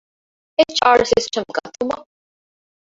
އެޗް.އާރް ސިސްޓަމް ގަތުމަށް